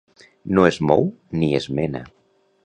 No es mou ni es mena.